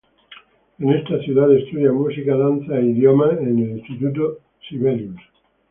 En esta ciudad estudia música, danza, e idiomas en el Instituto Sibelius.